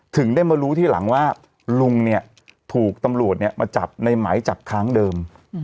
ถึงได้มารู้ทีหลังว่าลุงเนี่ยถูกตำรวจมาจับในหมายจับครั้งเดิม